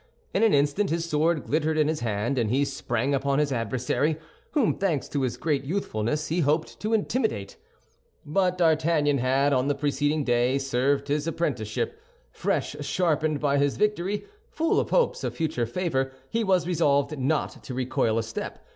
In an instant his sword glittered in his hand, and he sprang upon his adversary, whom, thanks to his great youthfulness, he hoped to intimidate. But D'Artagnan had on the preceding day served his apprenticeship. Fresh sharpened by his victory, full of hopes of future favor, he was resolved not to recoil a step.